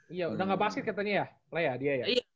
iya udah nggak basket katanya ya lea dia ya